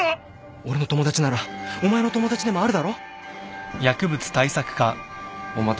俺の友達ならお前の友達でもあるだろ？お待たせしました。